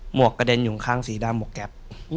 วกกระเด็นอยู่ข้างสีดำหมวกแก๊ป